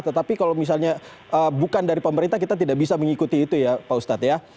tetapi kalau misalnya bukan dari pemerintah kita tidak bisa mengikuti itu ya pak ustadz ya